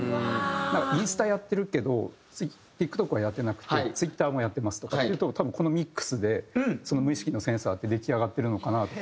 インスタはやってるけどＴｉｋＴｏｋはやってなくてツイッターもやってますとかっていうと多分このミックスで無意識のセンサーって出来上がってるのかなとか。